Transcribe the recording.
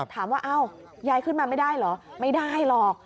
ถามว่าอ้าวยายขึ้นมาไม่ได้เหรอไม่ได้หรอก